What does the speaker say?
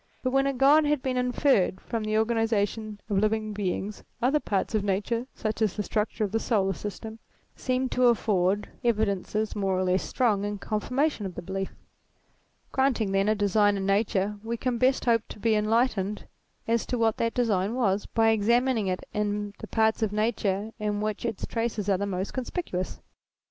But when a God had been inferred from the organization of living beings, other parts of Nature, such as the structure of the solar system, seemed to afford evidences, more or less strong, in confirmation of the belief: granting, then, a design in Nature, we can best hope to be enlight ened as to what that design was, by examining it in the parts of Nature in which its traces are the most conspicuous.